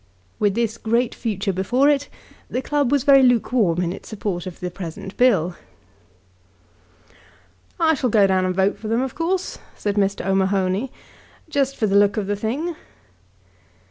With this great future before it, the club was very lukewarm in its support of the present Bill. "I shall go down and vote for them of course," said Mr. O'Mahony, "just for the look of the thing."